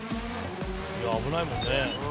危ないもんね。